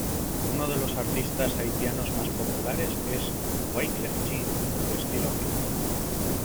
Uno de los artistas haitianos más populares es Wyclef Jean, de estilo hip hop.